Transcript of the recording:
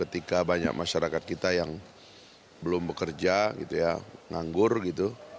tidak banyak masyarakat kita yang belum bekerja nganggur gitu